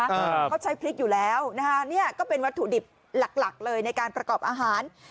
เขาใช้พริกอยู่แล้วนะฮะเนี่ยก็เป็นวัตถุดิบหลักหลักเลยในการประกอบอาหาร